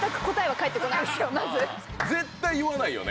絶対言わないよね。